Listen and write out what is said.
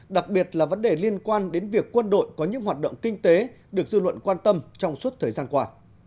đặc biệt là vấn đề liên quan đến việc quân đội có những hoạt động kinh tế được dư luận quan tâm trong suốt thời gian qua